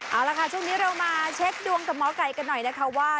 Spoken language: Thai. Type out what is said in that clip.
เอาละค่ะช่วงนี้เรามาเช็คดวงกับหมอไก่กันหน่อยนะคะว่า